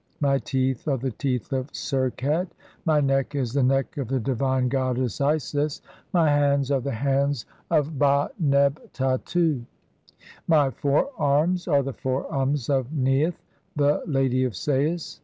My teeth are the teeth of (7) Serqet. My neck "is the neck of the divine goddess Isis. My hands are the hands "of Ba neb Tattu. My fore arms are the fore arms of Neith, the "Lady of Sais.